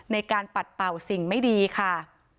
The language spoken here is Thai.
ในการปัดเป่าสิ่งไม่ดีค่ะ